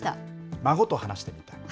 孫と話してるみたいな。